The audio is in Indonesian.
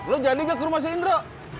lo jalan juga ke rumah si indro